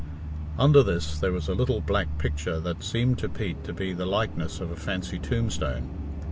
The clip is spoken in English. Under this there was a little black picture that seemed to Pete to be the likeness of a fancy tombstone.